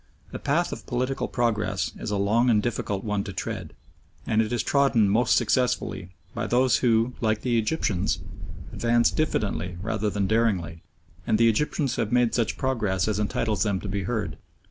The path of political progress is a long and difficult one to tread, and it is trodden most successfully by those who, like the Egyptians, advance diffidently rather than daringly, and the Egyptians have made such progress as entitles them to be heard.